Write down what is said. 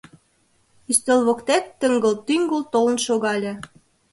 Ӱстел воктек тыҥгыл-тӱҥгыл толын шогале.